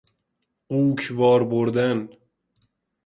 غوک وار بردن